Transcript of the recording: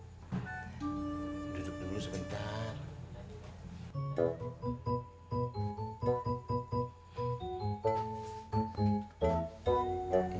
duduk dulu sebentar